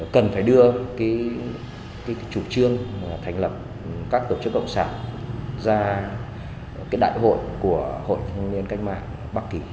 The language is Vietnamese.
cái chủ trương thành lập các tổ chức cộng sản ra cái đại hội của hội nhân viên cách mạng bắc kỳ